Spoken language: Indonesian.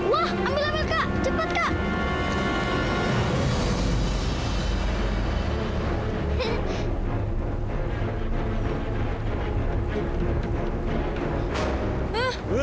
wah ambil ambil kah cepat kak